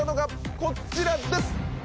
こちらです！